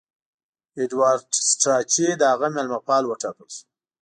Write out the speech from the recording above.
ایډوارډ سټراچي د هغه مېلمه پال وټاکل سو.